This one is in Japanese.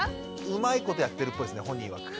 うまいことやってるっぽいですね本人いわく。